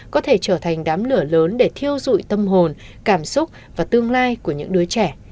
có thể trở thành đám lửa lớn để thiêu dụi tâm hồn cảm xúc và tương lai của những đứa trẻ